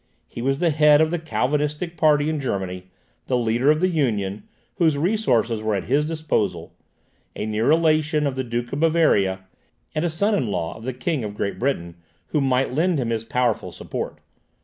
He was the head of the Calvinistic party in Germany, the leader of the Union, whose resources were at his disposal, a near relation of the Duke of Bavaria, and a son in law of the King of Great Britain, who might lend him his powerful support.